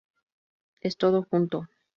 Es todo junto.